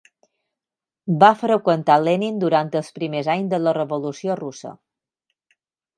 Va freqüentar Lenin durant els primers anys de la revolució russa.